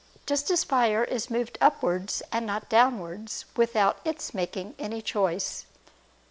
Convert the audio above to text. Just as fire is moved upwards and not downwards, without its making any choice.